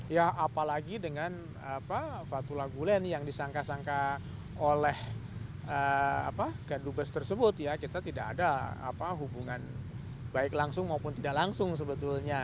ya apalagi dengan fatullah gulen yang disangka sangka oleh kedubes tersebut ya kita tidak ada hubungan baik langsung maupun tidak langsung sebetulnya